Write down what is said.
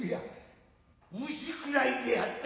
虫食らいであった。